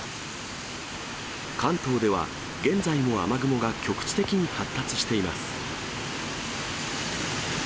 関東では現在も雨雲が局地的に発達しています。